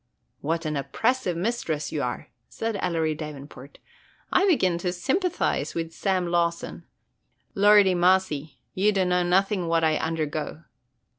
"What an oppressive mistress you are!" said Ellery Davenport. "I begin to sympathize with Sam Lawson, – lordy massy, you dunno nothin' what I undergo!"